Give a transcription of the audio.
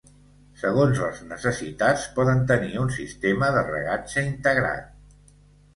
Segons les necessitats, poden tenir un sistema de regatge integrat.